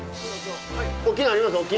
大きいのありますよ。